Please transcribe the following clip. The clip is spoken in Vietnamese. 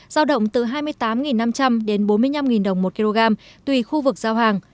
giao động từ hai mươi tám năm trăm linh đến bốn mươi năm đồng một kg tùy khu vực giao hàng